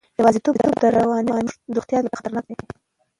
یوازیتوب د رواني روغتیا لپاره خطرناک دی.